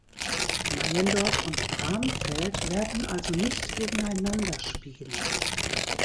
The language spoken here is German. Meiendorf und Bramfeld werden also nicht gegeneinander spielen.